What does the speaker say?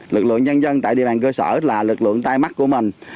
lực lượng nhân dân tại địa bàn cơ sở là lực lượng tai mắt của mình